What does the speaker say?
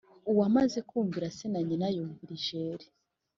uwanze kumvira se na nyina yumvira ijeri